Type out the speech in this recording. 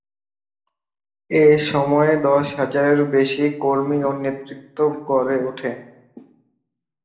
এ সময়ে দশ হাজারের বেশি কর্মী ও নেতৃত্ব গড়ে ওঠে।